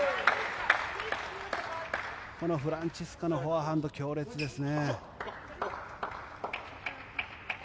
このフランツィスカのフォアハンドは強烈ですね。